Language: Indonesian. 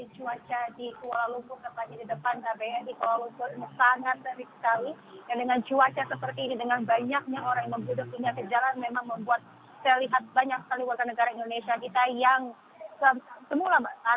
selamat siang alpian saat ini cuaca di kuala lumpur kebanyakan di depan kbr di kuala lumpur sangat terik sekali